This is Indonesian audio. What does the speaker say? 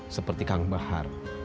seperti kang bahar